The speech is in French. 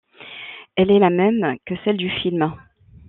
Elle est la même que celle du film.